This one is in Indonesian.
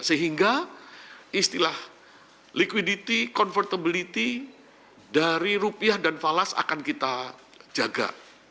sehingga istilah liquidity convertability dari rupiah dan falas akan kita jaga